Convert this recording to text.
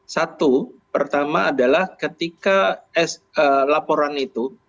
satu pertama adalah ketika laporan itu